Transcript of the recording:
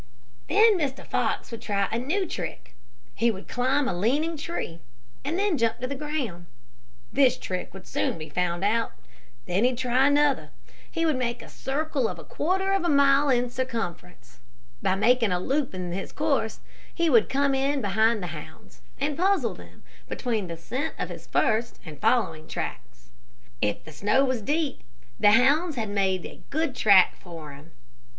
"Then Mr. Fox would try a new trick. He would climb a leaning tree, and then jump to the ground. This trick would soon be found out. Then he'd try another. He would make a circle of a quarter of a mile in circumference. By making a loop in his course, he would come in behind the hounds, and puzzle them between the scent of his first and following tracks. If the snow was deep, the hounds had made a good track for him.